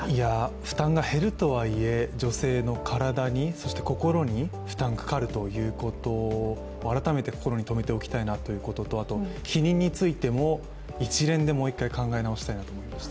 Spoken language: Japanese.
負担が減るとはいえ、女性の体にそして心に負担がかかるということを改めて心にとどめておきたいということとあと避妊についても一連でもう一回考え直したいなと思いました。